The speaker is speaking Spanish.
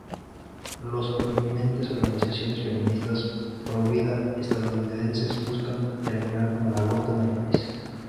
Las prominentes organizaciones feministas provida estadounidenses buscan terminar con el aborto en el país.